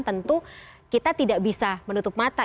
tentu kita tidak bisa menutup mata